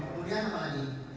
kemudian apa lagi